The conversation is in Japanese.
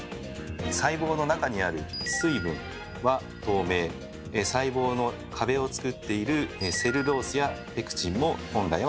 細胞の中にある水分は透明細胞の壁を作っているセルロースやペクチンも本来は透明。